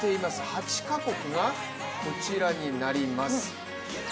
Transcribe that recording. ８か国がこちらになります。